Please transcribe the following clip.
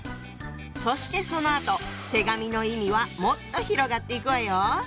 そしてそのあと手紙の意味はもっと広がっていくわよ！